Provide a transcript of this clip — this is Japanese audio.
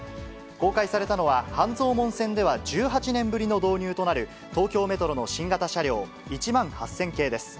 公開されたのは、半蔵門線では１８年ぶりの導入となる、東京メトロの新型車両、１８０００系です。